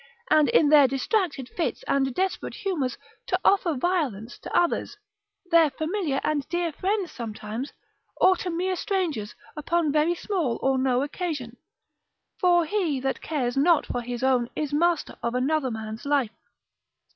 and in their distracted fits and desperate humours, to offer violence to others, their familiar and dear friends sometimes, or to mere strangers, upon very small or no occasion; for he that cares not for his own, is master of another man's life.